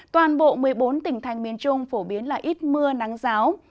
toàn bộ một mươi bốn tỉnh thành miền trung phổ biến là ít mưa nắng giáo